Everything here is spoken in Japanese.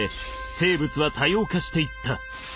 生物は多様化していった。